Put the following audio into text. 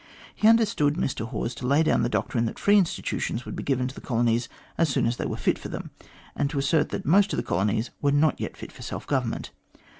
He understood Mr Hawes to lay down the doctrine that free institutions would be given to the colonies as soon as they were fit for them, and to assert that most of the colonies were not yet fit for self government.